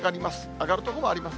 上がる所もあります。